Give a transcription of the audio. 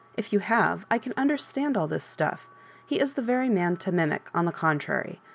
If you have, I can understand all this stuff. He is the very man to mimic, on the contrary.